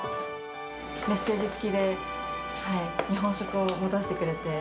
メッセージ付きで、日本食を持たせてくれて。